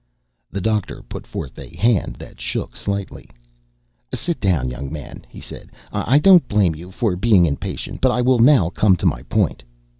The doctor put forth a hand that shook slightly. "Sit down, young man," he said. "I don't blame you for being impatient, but I will now come to my point."